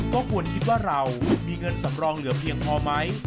ก็ควรคิดว่าเรามีเงินสำรองเหลือเพียงพอไหม